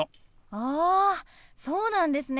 あそうなんですね。